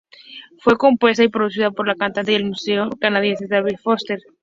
Fue compuesta y producida por la cantante y el músico canadiense David Foster.